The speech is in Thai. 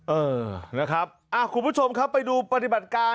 เออนะครับคุณผู้ชมครับไปดูปฏิบัติการ